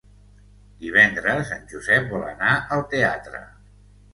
Divendres en Josep vol anar al teatre.